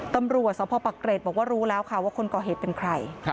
ตำรวจสพปักเกร็ดบอกว่ารู้แล้วค่ะว่าคนก่อเหตุเป็นใคร